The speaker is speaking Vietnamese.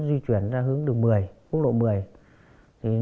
đi ra ngoài là đi